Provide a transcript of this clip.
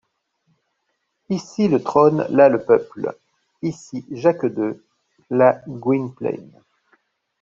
Ici le trône, là le peuple ; ici Jacques deux, là Gwynplaine.